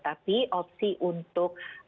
tapi opsi untuk